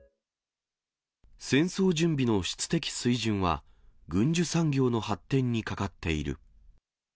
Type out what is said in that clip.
戦争準備の質的水準は、軍需産業の発展にかかっている。